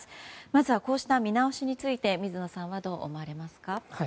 まず、こうした見直しについて水野さんはどう思われますか。